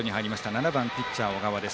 ７番、ピッチャー、小川。